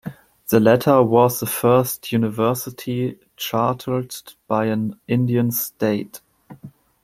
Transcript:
The latter was the first university chartered by an Indian State.